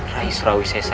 rai surawi sesa